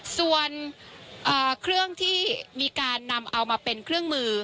ส่วนเครื่องที่มีการนำเอามาเป็นเครื่องมือ